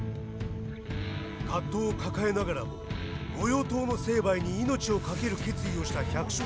葛藤を抱えながらも御用盗の成敗に命をかける決意をした百姓たち。